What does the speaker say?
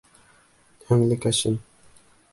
Һеңлекәшем!